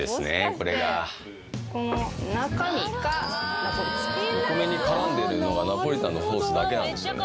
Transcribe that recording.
これがこの中にお米にからんでるのがナポリタンのソースだけなんですよ